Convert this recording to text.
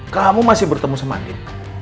kamu masih bertemu sama andien